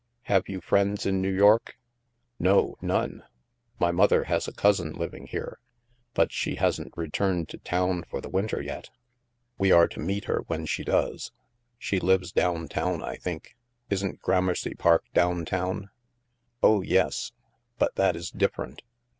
Have you friends in New York?" " No, none. My mother has a cousin living here, but she hasn't returned to town for the winter yet. We are to meet her when she does. She lives down town, I think. Isn't Gramercy Park down town?" " Oh, yes. But that is different.